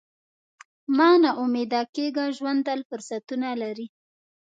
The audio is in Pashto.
مه نا امیده کېږه، ژوند تل فرصتونه لري.